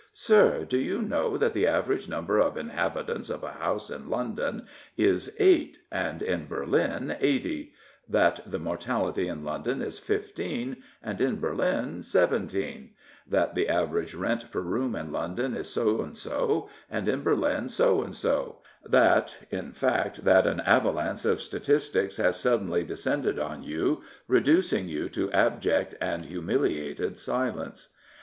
Sir, do you know that the average number of inhabitants of a house in London is eight and in Berlin eighty; that the mortality in London is 15, and in Berlin 17; that the average rent per room in London is so and so, and in Berlin so and so ; that — ^in fact, that an avalanche of statistics has suddenly descended on you, reducing you to abject and humiliated silence.